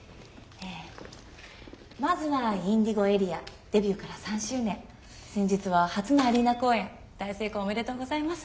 まずはＩｎｄｉｇｏＡＲＥＡデビューから３周年先日は初のアリーナ公演大成功おめでとうございます。